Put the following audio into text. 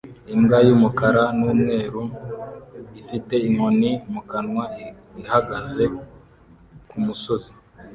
imbwa y'umukara n'umweru ifite inkoni mu kanwa ihagaze ku musozi